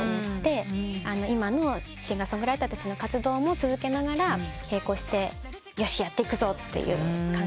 今のシンガー・ソングライターとしての活動も続けながら並行して「よし。やっていくぞ」という感じでした。